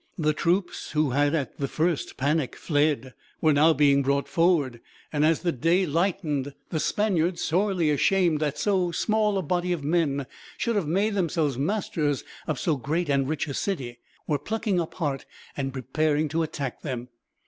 The troops, who had at the first panic fled, were now being brought forward; and as the day lightened, the Spaniards, sorely ashamed that so small a body of men should have made themselves masters of so great and rich a city, were plucking up heart and preparing to attack them.